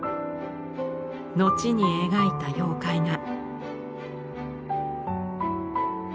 後に描いた妖怪画。